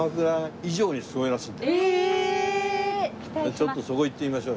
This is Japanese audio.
ちょっとそこ行ってみましょう。